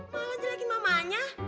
malah jelekin mamanya